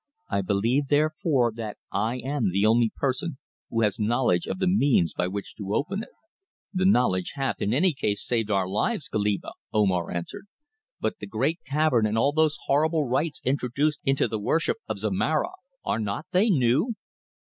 I believe therefore that I am the only person who has knowledge of the means by which to open it." "The knowledge hath, in any case, saved our lives, Goliba," Omar answered. "But the great cavern and all those horrible rites introduced into the worship of Zomara, are not they new?"